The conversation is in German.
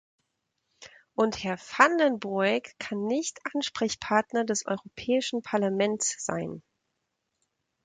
Und Herr van den Broek kann nicht der Ansprechpartner des Europäischen Parlaments sein.